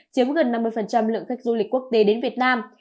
chiếm gần năm mươi lượng khách du lịch quốc tế đến việt nam